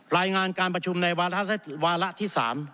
รายงานการประชุมในวาระวาระที่๓